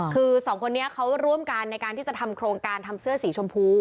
คือสองคนนี้เขาร่วมกันในการที่จะทำโครงการทำเสื้อสีชมพู